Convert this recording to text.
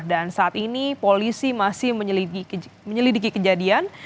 dan saat ini polisi masih menyelidiki kejadian